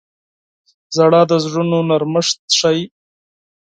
• ژړا د زړونو نرمښت ښيي.